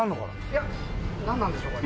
いやなんなんでしょうかね？